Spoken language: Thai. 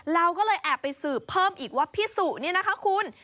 เราก็เลยแอบไปสืบเพิ่มอีกว่าพี่สุนี่นะคะคุณ